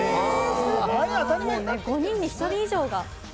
すごい！５人に１人以上が。